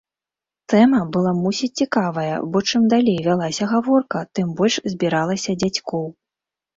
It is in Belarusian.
Тэма была мусіць цікавая, бо чым далей вялася гаворка, тым больш збіралася дзядзькоў.